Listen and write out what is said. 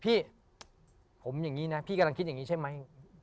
พี่ผมอย่างนี้นะพี่กำลังคิดอย่างนี้ใช่ไหม